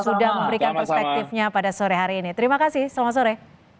sudah memberikan perspektifnya pada sore hari ini terima kasih selamat sore